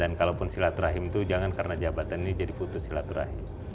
dan kalaupun silaturahim itu jangan karena jabatan ini jadi putus silaturahim